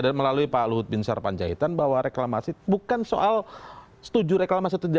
dan melalui pak luhut bin sarpanjaitan bahwa reklamasi bukan soal setuju reklamasi